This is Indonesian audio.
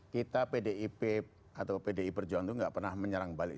kita pdip atau pdi perjuangan itu nggak pernah menyerang balik